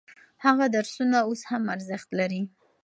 هغه درسونه اوس هم ارزښت لري.